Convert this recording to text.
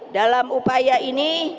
dalam upaya ini